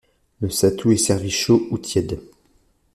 Le satou est servi chaud ou tiède.